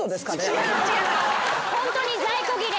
ホントに在庫切れ。